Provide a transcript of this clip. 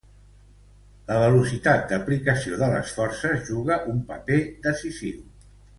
La velocitat d'aplicació de les forces juga un paper decisiu.